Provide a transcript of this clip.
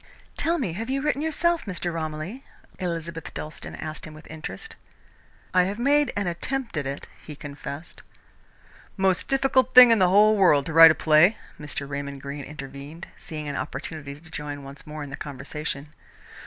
"Tell me, have you written yourself, Mr. Romilly?" Elizabeth Dalstan asked him with interest. "I have made an attempt at it," he confessed. "Most difficult thing in the whole world to write a play," Mr. Raymond Greene intervened, seeing an opportunity to join once more in the conversation.